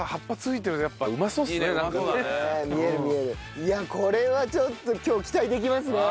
いやこれはちょっと今日期待できますね。